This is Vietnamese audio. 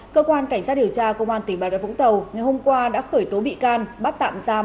cơ quan cảnh sát điều tra công an tỉnh bà rập vũng tàu ngày hôm qua đã khởi tố bị can bắt tạm giam